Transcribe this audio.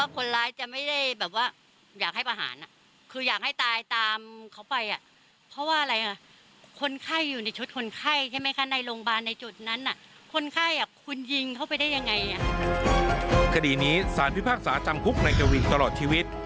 คดีนี้สารพิพากษาจำคุกนายกวินตลอดชีวิต